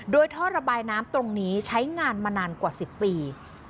โดยท่อระบายน้ำตรงนี้ใช้งานมานานกว่า๑๐ปี